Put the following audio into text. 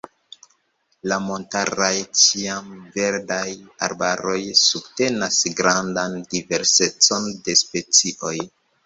La montaraj ĉiamverdaj arbaroj subtenas grandan diversecon de specioj.